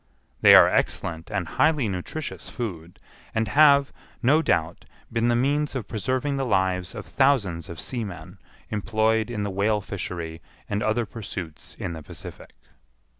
They are excellent and highly nutritious food, and have, no doubt, been the means of preserving the lives of thousands of seamen employed in the whale fishery and other pursuits in the Pacific.